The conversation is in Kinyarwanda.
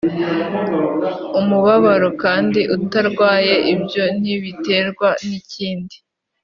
umubabaro kandi utarwaye ibyo ntibiterwa n ikindi